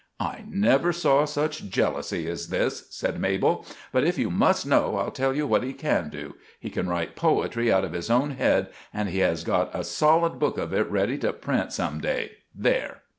"I never saw such jellousy as this," said Mabel; "but if you must know I'll tell you what he can do: he can write poetry out of his own head, and he has got a solid book of it reddy to print some day there!"